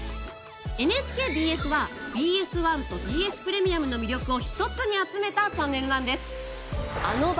ＮＨＫＢＳはＢＳ１とＢＳプレミアムの魅力を一つに集めたチャンネルなんです。